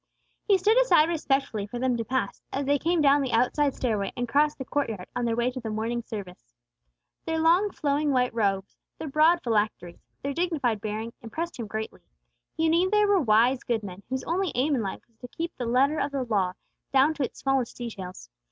He stood aside respectfully for them to pass, as they came down the outside stairway, and crossed the court yard on their way to the morning service. Their long, flowing, white robes, their broad phylacteries, their dignified bearing, impressed him greatly. He knew they were wise, good men whose only aim in life was to keep the letter of the Law, down to its smallest details.